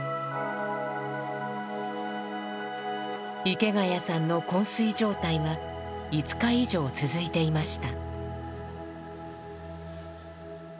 池谷さんの昏睡状態は５日以上続いていました。